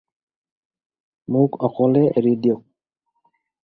মোক অকলে এৰি দিয়ক।